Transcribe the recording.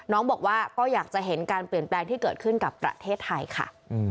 น้องบอกว่าก็อยากจะเห็นการเปลี่ยนแปลงที่เกิดขึ้นกับประเทศไทยค่ะ